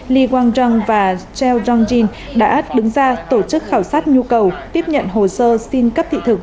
lee kwang jung và seo jong jin đã đứng ra tổ chức khảo sát nhu cầu tiếp nhận hồ sơ xin cấp thị thực